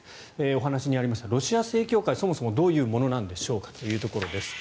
お話にありましたロシア正教会はそもそもどういうものなんでしょうかということです。